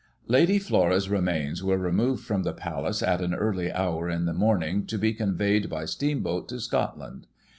Lady Flora's remains were removed from the palace, at an early hour in the morning, to be conveyed, by steamboat, to Scotland.